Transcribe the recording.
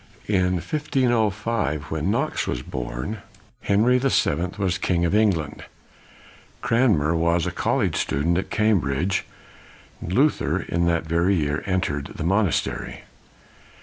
In 1505, when Knox was born, Henry the Seventh was king of England; Cran mer was a college student in Cambridge; Luther, in that very year, entered the mon astery.